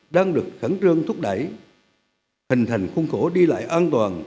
đang được khẳng trương thúc đẩy hình thành khuôn khổ đi lại an toàn